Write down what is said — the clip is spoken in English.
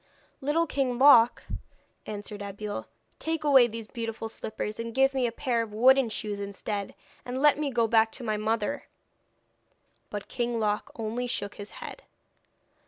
'Little King Loc,' answered Abeille, 'take away these beautiful slippers and give me a pair of wooden shoes instead, and let me go back to my mother.' But King Loc only shook his head.